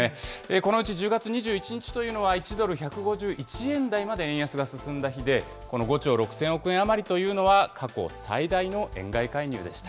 このうち１０月２１日というのは、１ドル１５１円台まで円安が進んだ日で、この５兆６０００億円余りというのは、過去最大の円買い介入でした。